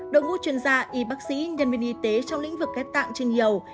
đội ngũ chuyên gia y bác sĩ nhân viên y tế trong lĩnh vực ghép tạng trên nhiều